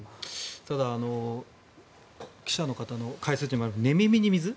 ただ、記者の方の解説にもありますけど寝耳に水。